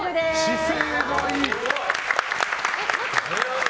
姿勢がいい。